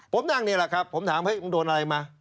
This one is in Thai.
ผมนั่งนี่แหละครับผมถามเฮ้มึงโดนอะไรมา